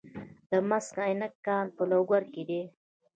د مس عینک کان په لوګر کې دی